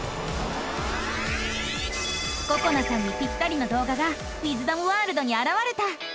ここなさんにピッタリのどう画がウィズダムワールドにあらわれた！